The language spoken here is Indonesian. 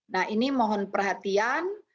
nah ini mohon perhatian